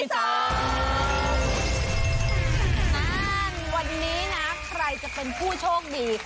นั่นวันนี้นะใครจะเป็นผู้โชคดี